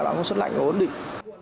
đã có suất lạnh và ổn định